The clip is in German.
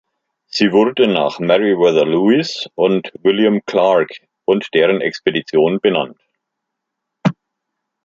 Sie wurde nach Meriwether Lewis und William Clark und deren Expedition benannt.